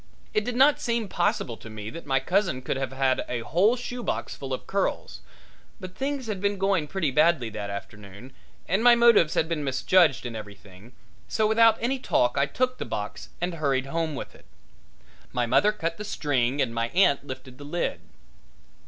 It did not seem possible to me that my cousin could have had a whole shoebox full of curls, but things had been going pretty badly that afternoon and my motives had been misjudged and everything, so without any talk I took the box and hurried home with it. My mother cut the string and my aunt lifted the lid.